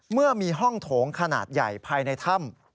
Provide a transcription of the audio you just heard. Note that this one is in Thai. เมื่อมีห้องโถงขนาดใหญ่ภายในถ้ำ